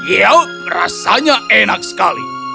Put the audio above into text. ya rasanya enak sekali